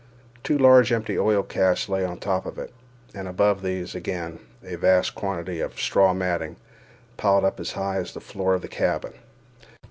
Two large empty oil casks lay on the top of it, and above these, again, a vast quantity of straw matting, piled up as high as the floor of the cabin.